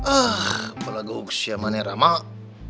ah pelaguk siamane ramak